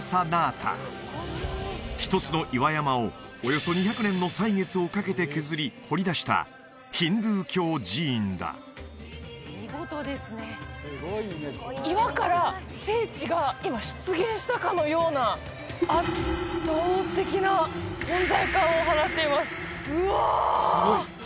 １つの岩山をおよそ２００年の歳月をかけて削り掘り出したヒンドゥー教寺院だ岩から聖地が今出現したかのような圧倒的な存在感を放っていますうわ！